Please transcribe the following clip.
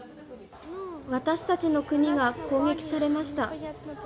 私たちの国が攻撃されました。